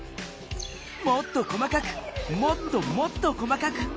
もっと細かくもっともっと細かく。